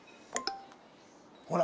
ほら。